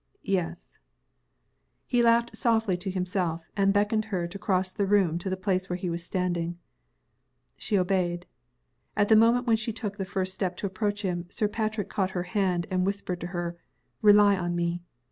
"Yes." He laughed softly to himself, and beckoned to her to cross the room to the place at which he was standing. She obeyed. At the moment when she took the first step to approach him, Sir Patrick caught her hand, and whispered to her, "Rely on me!"